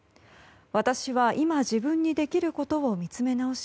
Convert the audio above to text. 私は今自分にできることを見つめ直し